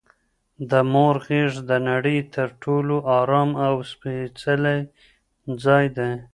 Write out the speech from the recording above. د مور غیږ د نړۍ تر ټولو ارام او سپیڅلی ځای دی